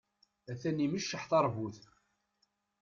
Atan imecceḥ tarbut.